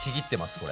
これ。